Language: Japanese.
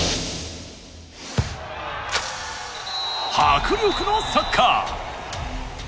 迫力のサッカー！